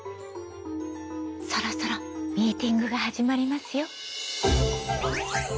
そろそろミーティングが始まりますよ。